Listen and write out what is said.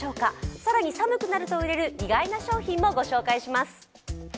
更に、寒くなると売れる、意外な商品もご紹介します。